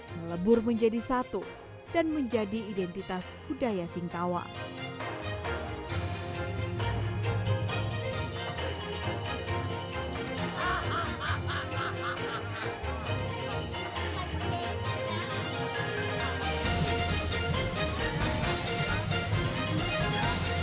melebur menjadi satu dan menjadi identitas budaya singkawang